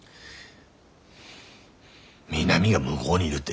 美波が向ごうにいるって。